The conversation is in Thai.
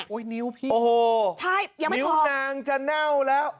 นิ้วพี่โอ้โหนิ้วนางจะเน่าแล้ว